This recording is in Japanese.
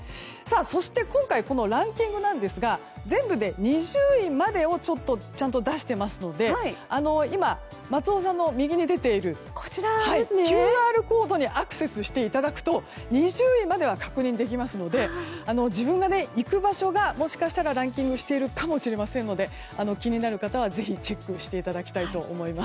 そして今回このランキングですが全部で２０位までをちゃんと出してますので今、松尾さんの右に出ているＱＲコードにアクセスしていただくと２０位までは確認できますので自分が行く場所がもしかしたらランキングしているかもしれませんので気になる方はぜひチェックしていただきたいと思います。